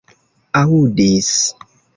aŭdis